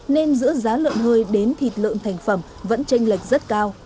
nên giữa giá lợn hơi đến thịt lợn thành phẩm vẫn tranh lệch rất cao